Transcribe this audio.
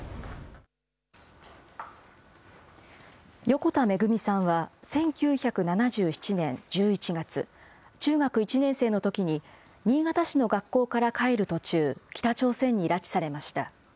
横田めぐみさんは１９７７年１１月、中学１年生のときに、新潟市の学校から帰る途中、北朝鮮に拉致されました。